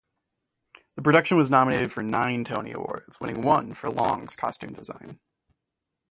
The production was nominated for nine Tony Awards, winning one for Long's costume design.